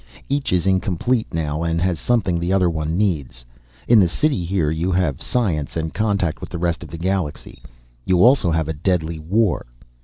Each is incomplete now, and has something the other one needs. In the city here you have science and contact with the rest of the galaxy. You also have a deadly war.